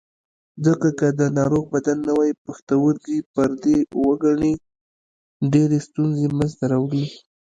ځکه که د ناروغ بدن نوی پښتورګی پردی وګڼي ډېرې ستونزې منځ ته راوړي.